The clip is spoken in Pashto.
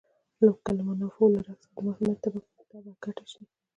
که د منافعو له رګ څخه د محرومیت تبه کډه شي.